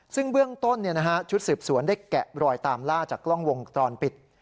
ซึ่งเบื้องต้นชุดสืบสวนได้แกะรอยตามล่าจากกล้องวงจรปิด